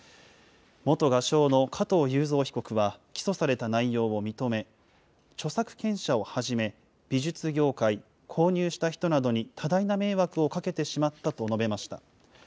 元画商の加藤雄三被告は起訴された内容を認め、著作権者をはじめ、美術業界、購入した人などに多大な迷惑をかけてしまったと述べました。